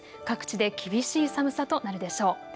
各地で厳しい寒さとなるでしょう。